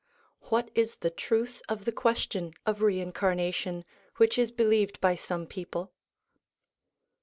What is the truth of the question of re incarnation, which is believed by some people